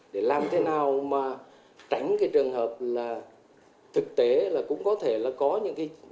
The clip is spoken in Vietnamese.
để làm thế nào mà tránh cái trường hợp là thực tế là cũng có thể là có những cái